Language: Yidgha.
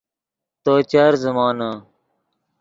تو چر زیمونے